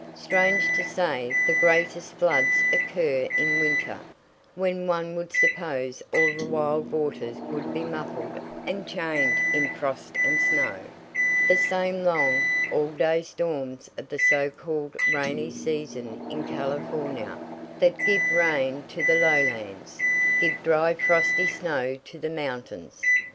Strange to say, the greatest floods occur in winter, when one would suppose all the wild waters would be muffled and chained in frost and snow. The same long, all day storms of the so called Rainy Season in California, that give rain to the lowlands, give dry frosty snow to the mountains.